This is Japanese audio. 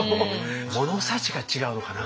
物差しが違うのかな？